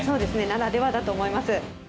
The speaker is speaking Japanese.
ならではだと思います。